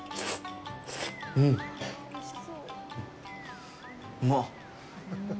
うん、うまっ。